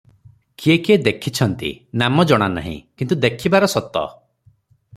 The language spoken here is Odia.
କିଏ କିଏ ଦେଖିଛନ୍ତି, ନାମ ଜଣା ନାହିଁ, କିନ୍ତୁ ଦେଖିବାର ସତ ।